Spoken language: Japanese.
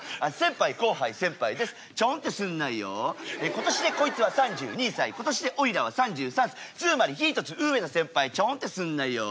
今年でこいつは３２歳今年でおいらは３３歳つまり１つ上の先輩ちょんってすんなよ